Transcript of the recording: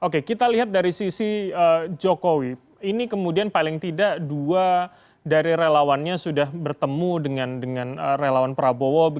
oke kita lihat dari sisi jokowi ini kemudian paling tidak dua dari relawannya sudah bertemu dengan relawan prabowo